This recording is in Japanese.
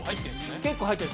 結構入ってます。